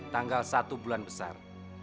tanggal satu bulan besar